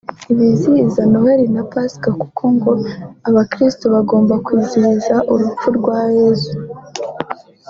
ntibizihiza Noheli na pasika kuko ngo abakristu bagomba kwizihiza urupfu rwa Yezu